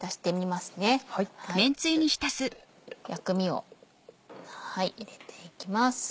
まず薬味を入れていきます。